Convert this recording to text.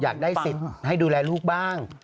อยากได้สิทธิ์ให้ดูแลลูกบ้าง